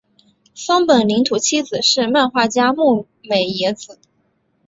松本零士妻子是漫画家牧美也子。